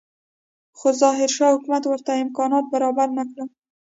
خو ظاهرشاه حکومت ورته امکانات برابر نه کړل.